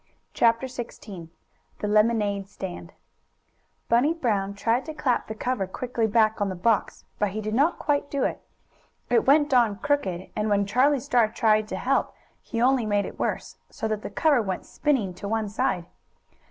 CHAPTER XVI THE LEMONADE STAND Bunny Brown tried to clap the cover quickly back on the box, but he did not quite do it. It went on crooked, and when Charlie Star tried to help he only made it worse, so that the cover went spinning to one side.